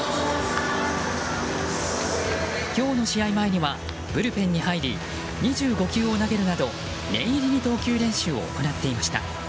今日の試合前にはブルペンに入り２５球を投げるなど、念入りに投球練習を行っていました。